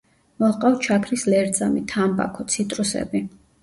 მოჰყავთ შაქრის ლერწამი, თამბაქო, ციტრუსები.